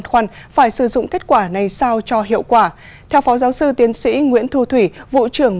khoăn phải sử dụng kết quả này sao cho hiệu quả theo phó giáo sư tiến sĩ nguyễn thu thủy vụ trưởng